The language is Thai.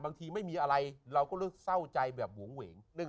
บางทีไม่มีอะไรเราก็รู้สึกเศร้าใจแบบหวงเหวง